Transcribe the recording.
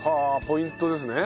ポイントですね。